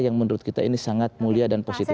yang menurut kita ini sangat mulia dan positif